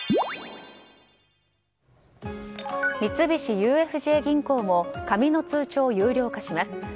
三菱ＵＦＪ銀行も紙の通帳を有料化します。